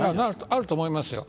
あると思いますよ。